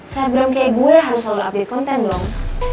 selebgram kayak gue harus selalu update konten dong